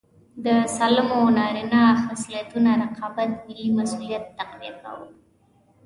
د سالمو نارینه خصلتونو رقابت ملي مسوولیت تقویه کاوه.